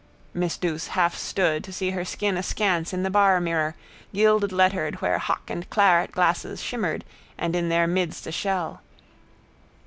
Miss Douce halfstood to see her skin askance in the barmirror gildedlettered where hock and claret glasses shimmered and in their midst a shell.